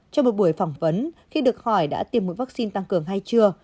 trong một buổi phỏng vấn khi được hỏi đã tiêm mũi vaccine tăng cường hay chưa